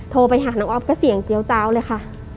โทรไปหาน้องอ๊อฟก็เสียงเจี๊ยวเจ้าเลยค่ะ